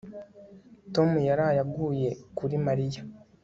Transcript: Tom yaraye aguye kuri Mariya